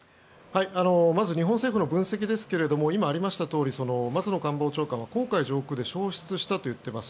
まず日本政府の分析ですが今、ありましたとおり松野官房長官は黄海上空で消失したと言っています。